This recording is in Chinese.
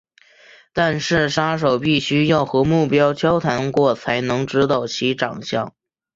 但是杀手必须要和目标交谈过才能知道其长相。